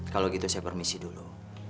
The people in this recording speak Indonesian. kalau gitu saya permisi dulu